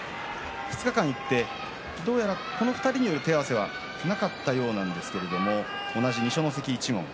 ２日間行ってどうやらこの２人による手合わせはなかったようなんですけれど同じ二所ノ関一門。